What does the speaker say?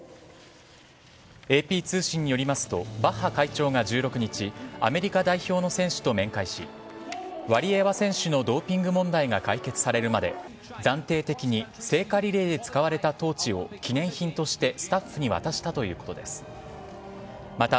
ＡＰ通信によりますとバッハ会長が１６日アメリカ代表の選手と面会しワリエワ選手のドーピング問題が解決されるまで暫定的に聖火リレーで使われたトーチを記念品としてスタッフに渡したということです。